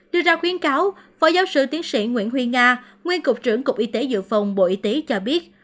đưa ra khuyến cáo phó giáo sư tiến sĩ nguyễn huy nga nguyên cục trưởng cục y tế dự phòng bộ y tế cho biết